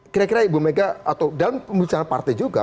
kira kira ibu mega atau dalam pembicaraan partai juga